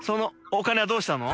お金はどうしたの？